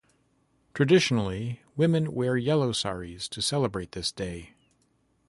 Traditionally, women wear yellow saris to celebrate this day.